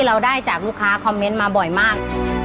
เราได้จากลูกค้าคอมเมนต์มาบ่อยมาก